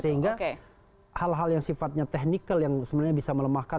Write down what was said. sehingga hal hal yang sifatnya technical yang sebenarnya bisa melemahkan